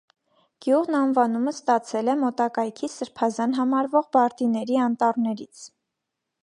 Գյուղն անվանումը ստացել է մոտակայքի սրբազան համարվող բարդիների անտառներից։